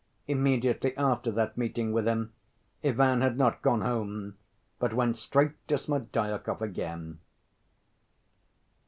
Immediately after that meeting with him, Ivan had not gone home, but went straight to Smerdyakov again.